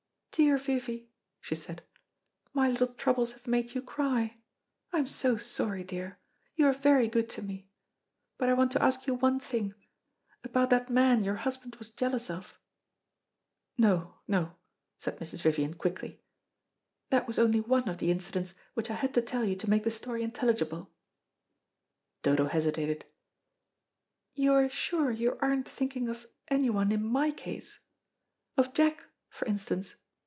"Dear Vivy," she said, "my little troubles have made you cry. I am so sorry, dear. You are very good to me. But I want to ask you one thing. About that man your husband was jealous of " "No, no," said Mrs. Vivian quickly; "that was only one of the incidents which I had to tell you to make the story intelligible." Dodo hesitated. "You are sure you aren't thinking of anyone in my case of Jack, for instance?"